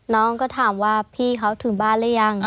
น้องก็ถามว่าพี่เขาถึงบ้านหรือยัง